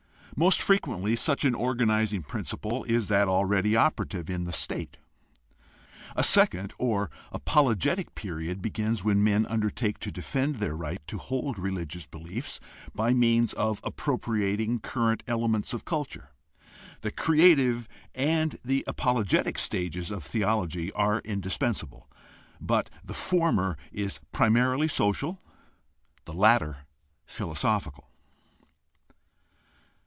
Most frequently such an organiz ing principle is that already operative in the state. A second, or apologetic, period begins when men undertake to defend their right to hold religious beliefs by means of appropriating current elements of culture. The creative and the apologetic stages of theology are indispensable, but the former is primarily social, the latter philosophical.